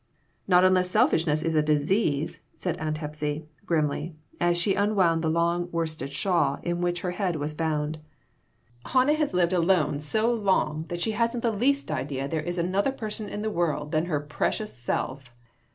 "Not unless selfishness is a disease," said Aunt Hepsy, grimly, as she unwound the long worsted shawl in which her head was bound. " Hannah has lived alone so long that she hasn't the least idea there is another person in the world except her precious self.